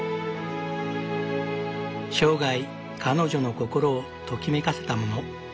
生涯彼女の心をときめかせたもの。